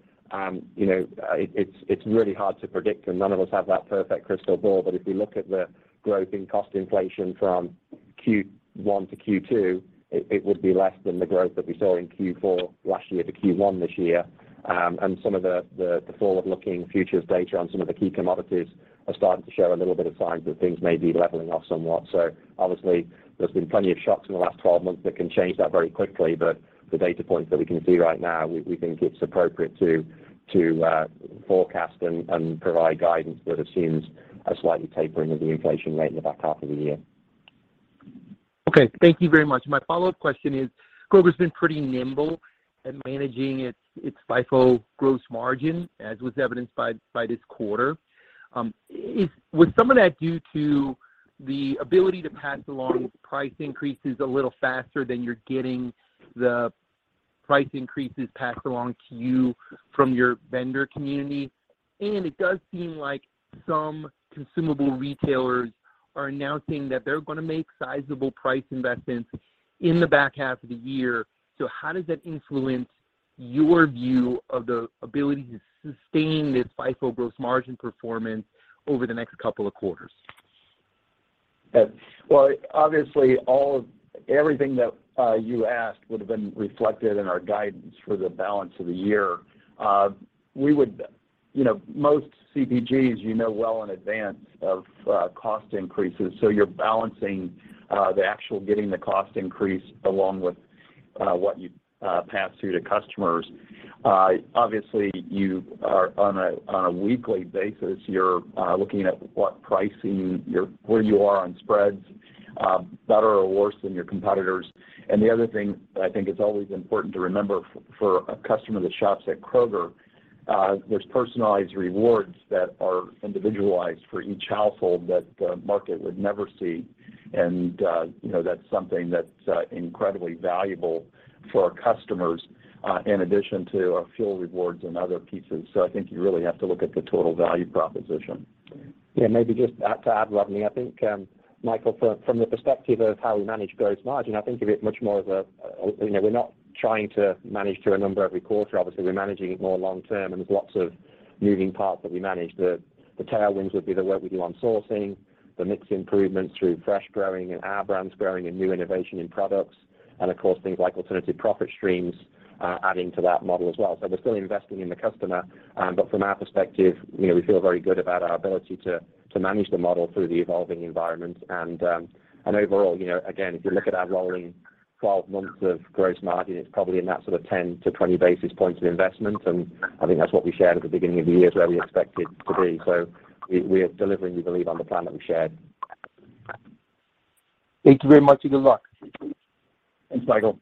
you know, it's really hard to predict and none of us have that perfect crystal ball, but if we look at the growth in cost inflation from Q1 to Q2, it would be less than the growth that we saw in Q4 last year to Q1 this year. Some of the forward-looking futures data on some of the key commodities are starting to show a little bit of signs that things may be leveling off somewhat. Obviously there's been plenty of shocks in the last 12 months that can change that very quickly. The data points that we can see right now, we think it's appropriate to forecast and provide guidance that assumes a slightly tapering of the inflation rate in the back half of the year. Okay. Thank you very much. My follow-up question is, Kroger's been pretty nimble at managing its FIFO gross margin, as was evidenced by this quarter. Is some of that due to the ability to pass along price increases a little faster than you're getting the price increases passed along to you from your vendor community? It does seem like some consumable retailers are announcing that they're gonna make sizable price investments in the back half of the year. How does that influence your view of the ability to sustain this FIFO gross margin performance over the next couple of quarters? Yes. Well, obviously everything that you asked would have been reflected in our guidance for the balance of the year. You know, most CPGs you know well in advance of cost increases, so you're balancing the actual getting the cost increase along with what you pass through to customers. Obviously you are on a weekly basis, you're looking at where you are on spreads, better or worse than your competitors. The other thing that I think is always important to remember for a customer that shops at Kroger, there's personalized rewards that are individualized for each household that the market would never see. You know, that's something that's incredibly valuable for our customers in addition to our fuel rewards and other pieces. I think you really have to look at the total value proposition. Yeah, maybe just to add to that, Rodney. I think, Michael, from the perspective of how we manage gross margin, I think of it much more as a, you know, we're not trying to manage to a number every quarter, obviously, we're managing it more long term, and there's lots of moving parts that we manage. The tailwinds would be the work we do on sourcing, the mix improvements through fresh growing and our brands growing and new innovation in products and of course things like alternative profit streams, adding to that model as well. We're still investing in the customer, but from our perspective, you know, we feel very good about our ability to manage the model through the evolving environment. Overall, you know, again, if you look at our rolling 12 months of gross margin, it's probably in that sort of 10-20 basis points of investment, and I think that's what we shared at the beginning of the year is where we expect it to be. We are delivering, we believe, on the plan that we shared. Thank you very much and good luck. Thanks, Michael.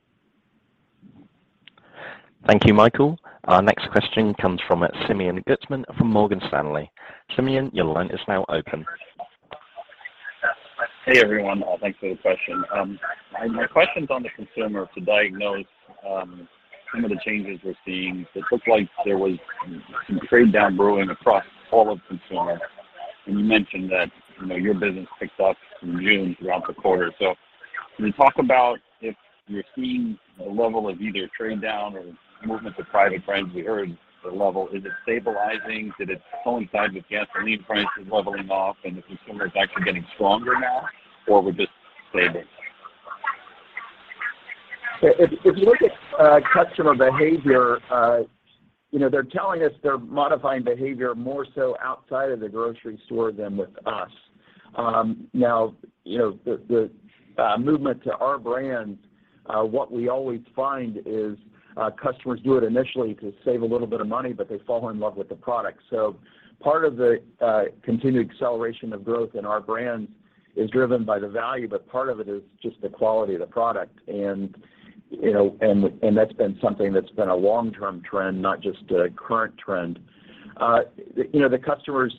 Thank you, Michael. Our next question comes from Simeon Gutman from Morgan Stanley. Simeon, your line is now open. Hey, everyone. Thanks for the question. My question's on the consumer to diagnose some of the changes we're seeing. It looked like there was some trade down brewing across all of consumer, and you mentioned that, you know, your business picked up in June throughout the quarter. Can you talk about if you're seeing a level of either trade down or movement to private brands? We heard the level. Is it stabilizing? Did it coincide with gasoline prices leveling off and the consumer is actually getting stronger now or we're just stable? If you look at customer behavior, you know, they're telling us they're modifying behavior more so outside of the grocery store than with us. Now, you know, the movement to our brands, what we always find is customers do it initially to save a little bit of money, but they fall in love with the product. Part of the continued acceleration of growth in our brands is driven by the value, but part of it is just the quality of the product. You know, that's been something that's been a long-term trend, not just a current trend. You know, the customers,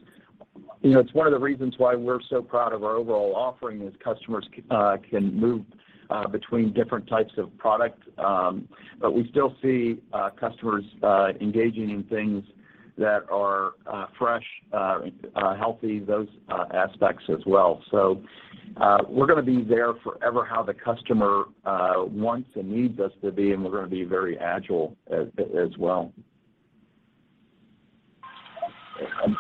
you know, it's one of the reasons why we're so proud of our overall offering is customers can move between different types of product. We still see customers engaging in things that are fresh, healthy, those aspects as well. We're gonna be there for however the customer wants and needs us to be, and we're gonna be very agile as well.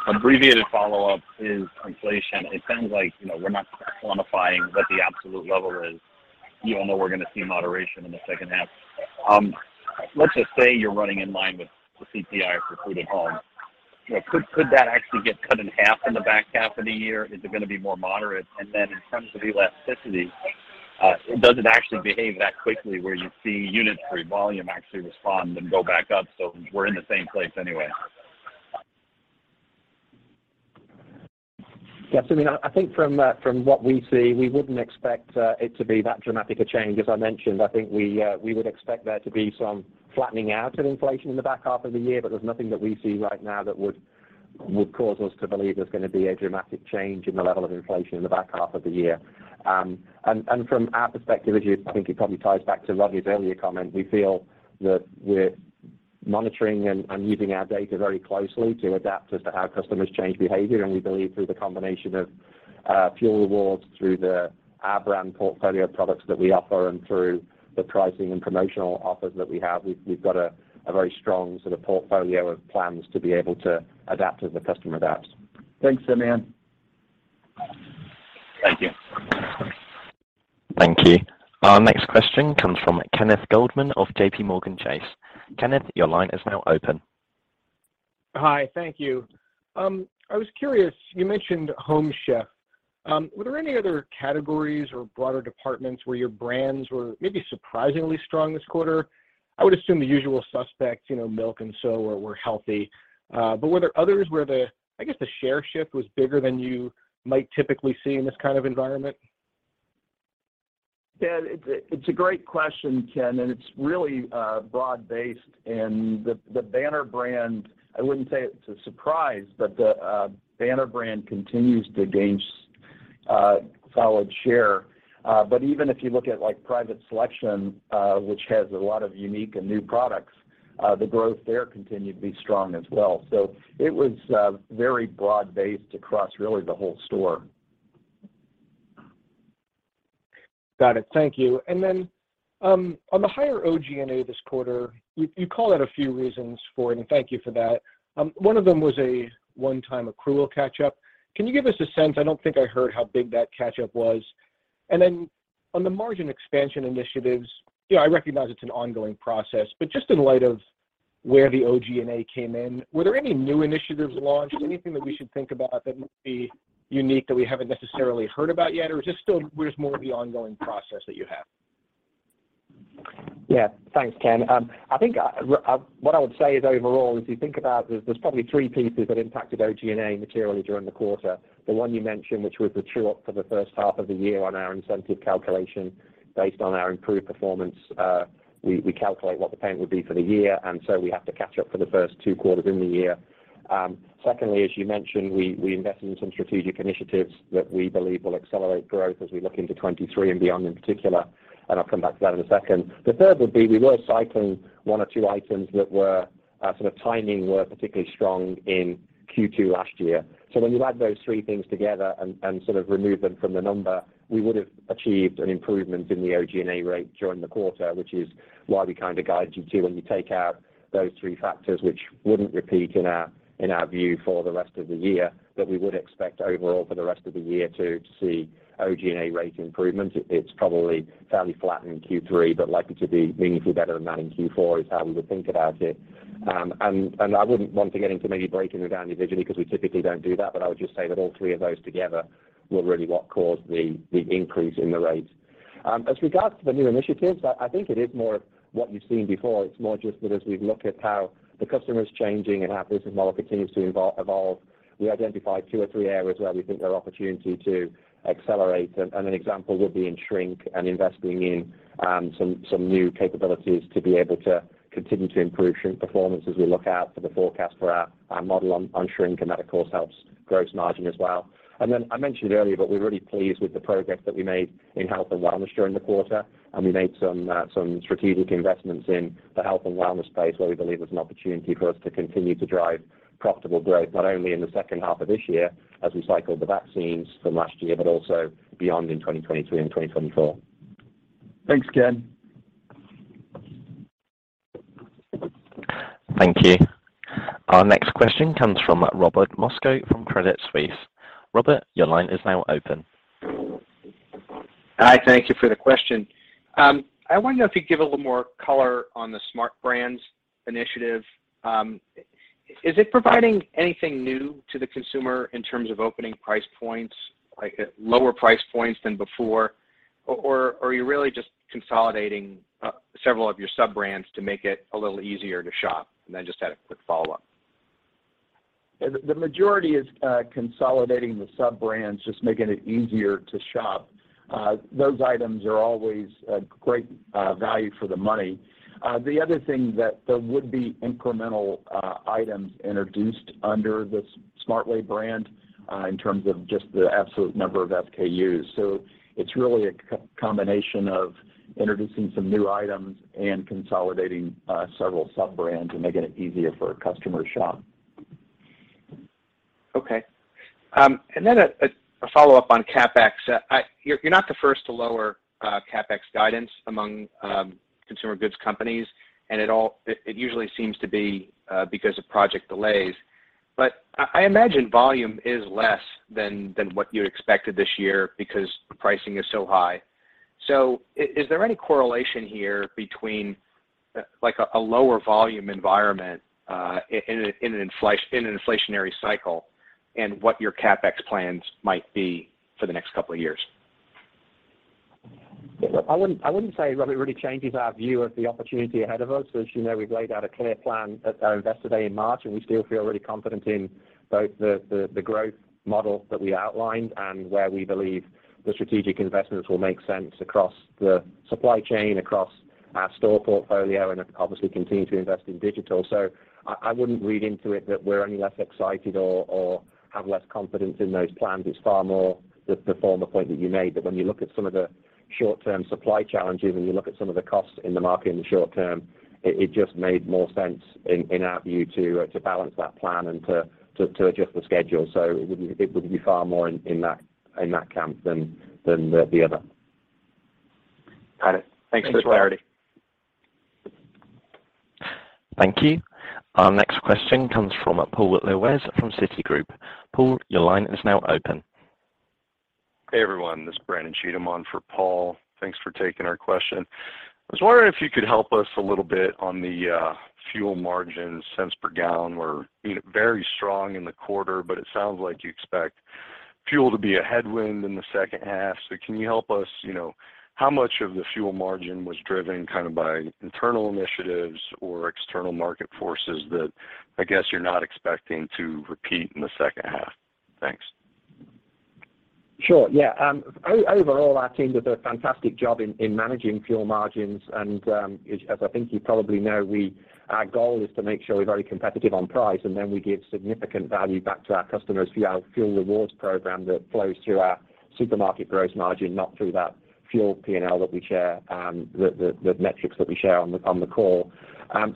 Abbreviated follow-up is inflation. It sounds like, you know, we're not quantifying what the absolute level is, even though we're gonna see moderation in the second half. Let's just say you're running in line with the CPI for food at home. You know, could that actually get cut in half in the back half of the year? Is it gonna be more moderate? In terms of elasticity, does it actually behave that quickly where you're seeing units for volume actually respond and go back up so we're in the same place anyway? Yeah. Simeon, I think from what we see, we wouldn't expect it to be that dramatic a change. As I mentioned, I think we would expect there to be some flattening out of inflation in the back half of the year, but there's nothing that we see right now that would cause us to believe there's gonna be a dramatic change in the level of inflation in the back half of the year. From our perspective, I think it probably ties back to Rodney's earlier comment. We feel that we're monitoring and using our data very closely to adapt to how customers change behavior. We believe through the combination of fuel rewards, through the Our Brands portfolio of products that we offer, and through the pricing and promotional offers that we have, we've got a very strong sort of portfolio of plans to be able to adapt as the customer adapts. Thanks, Simeon. Thank you. Thank you. Our next question comes from Ken Goldman of JPMorgan Chase. Ken, your line is now open. Hi. Thank you. I was curious, you mentioned Home Chef. Were there any other categories or broader departments where your brands were maybe surprisingly strong this quarter? I would assume the usual suspects, you know, milk and soda were healthy. But were there others where the, I guess, the share shift was bigger than you might typically see in this kind of environment? Yeah. It's a great question, Ken, and it's really broad-based. The Our Brands, I wouldn't say it's a surprise, but the Our Brands continues to gain solid share. But even if you look at like Private Selection, which has a lot of unique and new products, the growth there continued to be strong as well. It was very broad-based across really the whole store. Got it. Thank you. On the higher OG&A this quarter, you called out a few reasons for it, and thank you for that. One of them was a one-time accrual catch-up. Can you give us a sense? I don't think I heard how big that catch-up was. On the margin expansion initiatives, you know, I recognize it's an ongoing process, but just in light of where the OG&A came in, were there any new initiatives launched, anything that we should think about that would be unique that we haven't necessarily heard about yet? Is this still just more of the ongoing process that you have? Yeah. Thanks, Ken. I think what I would say is overall, as you think about, there's probably three pieces that impacted OG&A materially during the quarter. The one you mentioned, which was the true-up for the first half of the year on our incentive calculation. Based on our improved performance, we calculate what the payment would be for the year, and so we have to catch up for the first two quarters in the year. Secondly, as you mentioned, we invested in some strategic initiatives that we believe will accelerate growth as we look into 2023 and beyond in particular, and I'll come back to that in a second. The third would be we were cycling one or two items that were sort of timing were particularly strong in Q2 last year. When you add those three things together and sort of remove them from the number, we would've achieved an improvement in the OG&A rate during the quarter, which is why we kind of guided you to when you take out those three factors, which wouldn't repeat in our view for the rest of the year. We would expect overall for the rest of the year to see OG&A rate improvement. It's probably fairly flat in Q3, but likely to be meaningfully better than that in Q4, is how we would think about it. I wouldn't want to get into maybe breaking it down individually because we typically don't do that, but I would just say that all three of those together were really what caused the increase in the rate. As regards to the new initiatives, I think it is more of what you've seen before. It's more just that as we look at how the customer's changing and our business model continues to evolve, we identify two or three areas where we think there are opportunity to accelerate, and an example would be in shrink and investing in some new capabilities to be able to continue to improve shrink performance as we look out for the forecast for our model on shrink, and that of course helps gross margin as well. I mentioned earlier, but we're really pleased with the progress that we made in health and wellness during the quarter, and we made some strategic investments in the health and wellness space where we believe there's an opportunity for us to continue to drive profitable growth, not only in the second half of this year as we cycle the vaccines from last year, but also beyond in 2023 and 2024. Thanks, Ken. Thank you. Our next question comes from Robert Moskow from Credit Suisse. Robert, your line is now open. Hi. Thank you for the question. I wonder if you'd give a little more color on the Smart brand's initiative. Is it providing anything new to the consumer in terms of opening price points, like lower price points than before? Or, are you really just consolidating several of your sub-brands to make it a little easier to shop? I just had a quick follow-up. The majority is consolidating the sub-brands, just making it easier to shop. Those items are always a great value for the money. The other thing that there would be incremental items introduced under this Smart Way brand in terms of just the absolute number of SKUs. It's really a combination of introducing some new items and consolidating several sub-brands and making it easier for a customer to shop. Okay. A follow-up on CapEx. You're not the first to lower CapEx guidance among consumer goods companies, and it usually seems to be because of project delays. I imagine volume is less than what you had expected this year because pricing is so high. Is there any correlation here between like a lower volume environment in an inflationary cycle and what your CapEx plans might be for the next couple of years? Yeah. Look, I wouldn't say, Robert, it really changes our view of the opportunity ahead of us. As you know, we've laid out a clear plan at our Investor Day in March, and we still feel really confident in both the growth model that we outlined and where we believe the strategic investments will make sense across the supply chain, across our store portfolio, and obviously continue to invest in digital. I wouldn't read into it that we're any less excited or have less confidence in those plans. It's far more the former point that you made, that when you look at some of the short-term supply challenges and you look at some of the costs in the market in the short term, it just made more sense in our view to balance that plan and to adjust the schedule. It would be far more in that camp than the other. Got it. Thanks for the clarity. Thank you. Our next question comes from Paul Lejuez from Citigroup. Paul, your line is now open. Hey, everyone. This is Brandon Cheatham on for Paul. Thanks for taking our question. I was wondering if you could help us a little bit on the fuel margins, cents per gallon. Were, you know, very strong in the quarter, but it sounds like you expect fuel to be a headwind in the second half. Can you help us, you know, how much of the fuel margin was driven kind of by internal initiatives or external market forces that I guess you're not expecting to repeat in the second half? Thanks. Sure. Yeah. Overall, our team did a fantastic job in managing fuel margins. As I think you probably know, our goal is to make sure we're very competitive on price, and then we give significant value back to our customers via our fuel rewards program that flows through our supermarket gross margin, not through that fuel P&L that we share, the metrics that we share on the call.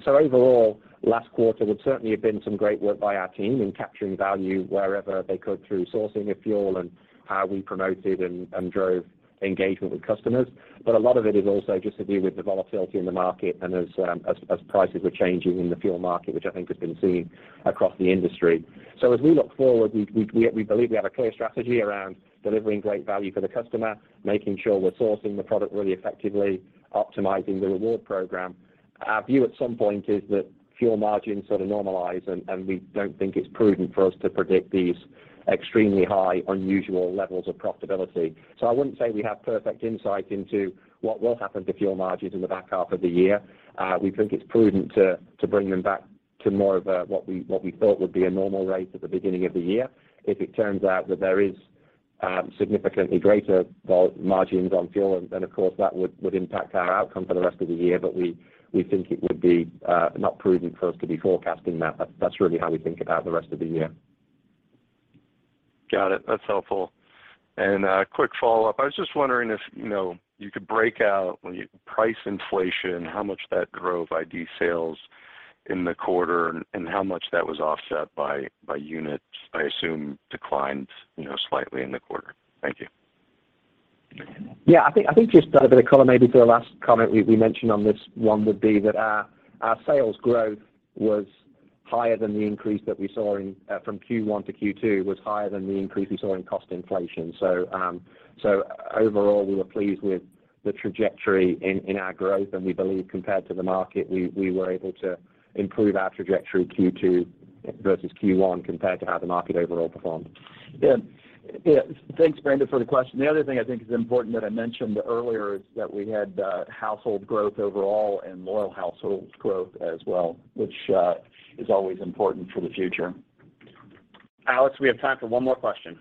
Overall, last quarter would certainly have been some great work by our team in capturing value wherever they could through sourcing of fuel and how we promoted and drove engagement with customers. A lot of it is also just to do with the volatility in the market and as prices are changing in the fuel market, which I think has been seen across the industry. As we look forward, we believe we have a clear strategy around delivering great value for the customer, making sure we're sourcing the product really effectively, optimizing the reward program. Our view at some point is that fuel margins sort of normalize and we don't think it's prudent for us to predict these extremely high, unusual levels of profitability. I wouldn't say we have perfect insight into what will happen to fuel margins in the back half of the year. We think it's prudent to bring them back to more of what we thought would be a normal rate at the beginning of the year. If it turns out that there is significantly greater margins on fuel, then, of course, that would impact our outcome for the rest of the year. We think it would be not prudent for us to be forecasting that. That's really how we think about the rest of the year. Got it. That's helpful. Quick follow-up. I was just wondering if, you know, you could break out price inflation, how much that drove IDs sales in the quarter and how much that was offset by units, I assume, declined, you know, slightly in the quarter. Thank you. Yeah. I think just a bit of color maybe to the last comment we mentioned on this one would be that our sales growth was higher than the increase that we saw from Q1 to Q2 was higher than the increase we saw in cost inflation. Overall, we were pleased with the trajectory in our growth, and we believe compared to the market, we were able to improve our trajectory Q2 versus Q1 compared to how the market overall performed. Yeah. Thanks, Brandon, for the question. The other thing I think is important that I mentioned earlier is that we had household growth overall and loyal household growth as well, which is always important for the future. Alex, we have time for one more question.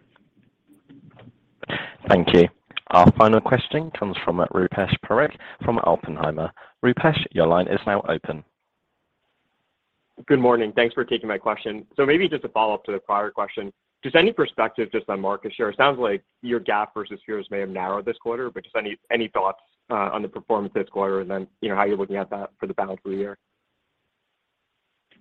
Thank you. Our final question comes from Rupesh Parikh from Oppenheimer. Rupesh, your line is now open. Good morning. Thanks for taking my question. Maybe just a follow-up to the prior question. Just any perspective just on market share. It sounds like your gap versus peers may have narrowed this quarter, but just any thoughts on the performance this quarter and then, you know, how you're looking at that for the balance of the year?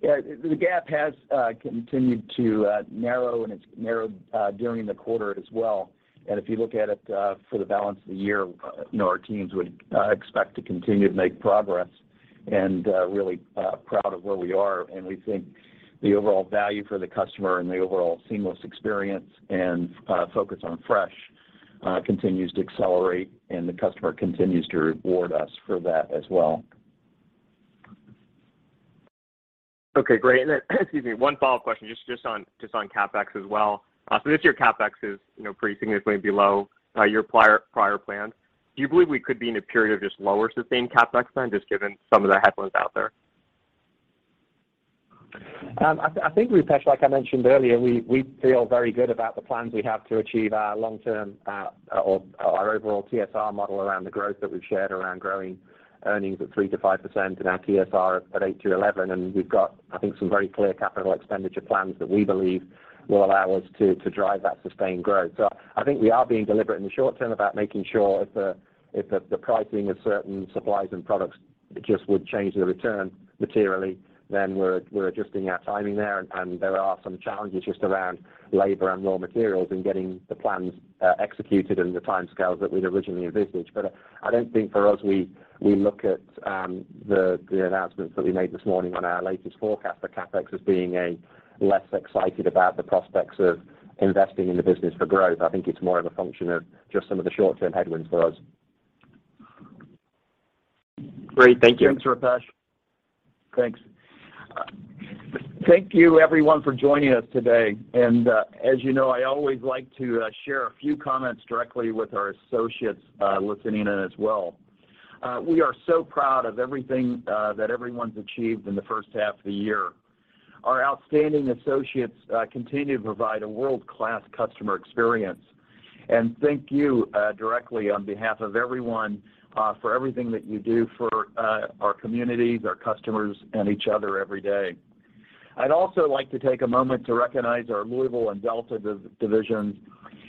Yeah. The gap has continued to narrow, and it's narrowed during the quarter as well. If you look at it, for the balance of the year, you know, our teams would expect to continue to make progress. Really proud of where we are, and we think the overall value for the customer and the overall seamless experience and focus on fresh continues to accelerate, and the customer continues to reward us for that as well. Okay, great. Excuse me, one follow-up question just on CapEx as well. So this year CapEx is, you know, pretty significantly below your prior plans. Do you believe we could be in a period of just lower sustained CapEx plan just given some of the headwinds out there? I think, Rupesh, like I mentioned earlier, we feel very good about the plans we have to achieve our long-term or our overall TSR model around the growth that we've shared around growing earnings at 3%-5% and our TSR at 8%-11%. We've got, I think, some very clear capital expenditure plans that we believe will allow us to drive that sustained growth. I think we are being deliberate in the short term about making sure if the pricing of certain supplies and products just would change the return materially, then we're adjusting our timing there. There are some challenges just around labor and raw materials and getting the plans executed in the timescales that we'd originally envisaged. I don't think for us, we look at the announcements that we made this morning on our latest forecast for CapEx as being less excited about the prospects of investing in the business for growth. I think it's more of a function of just some of the short-term headwinds for us. Great. Thank you. Thanks, Rupesh. Thanks. Thank you everyone for joining us today. As you know, I always like to share a few comments directly with our associates listening in as well. We are so proud of everything that everyone's achieved in the first half of the year. Our outstanding associates continue to provide a world-class customer experience. Thank you directly on behalf of everyone for everything that you do for our communities, our customers, and each other every day. I'd also like to take a moment to recognize our Louisville and Delta divisions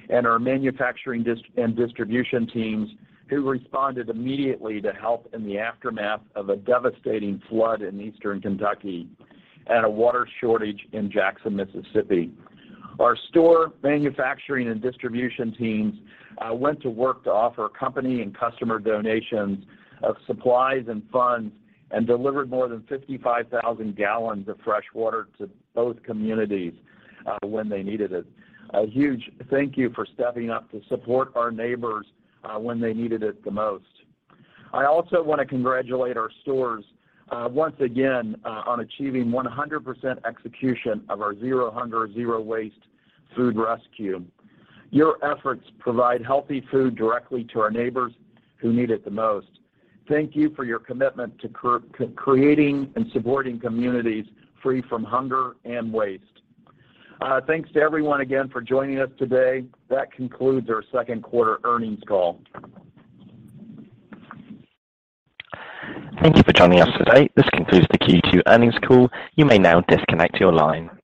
and our manufacturing and distribution teams who responded immediately to help in the aftermath of a devastating flood in Eastern Kentucky and a water shortage in Jackson, Mississippi. Our store, manufacturing, and distribution teams went to work to offer company and customer donations of supplies and funds and delivered more than 55,000 gallons of fresh water to both communities when they needed it. A huge thank you for stepping up to support our neighbors when they needed it the most. I also want to congratulate our stores once again on achieving 100% execution of our Zero Hunger | Zero Waste food rescue. Your efforts provide healthy food directly to our neighbors who need it the most. Thank you for your commitment to creating and supporting communities free from hunger and waste. Thanks to everyone again for joining us today. That concludes our second quarter earnings call. Thank you for joining us today. This concludes the Q2 earnings call. You may now disconnect your line.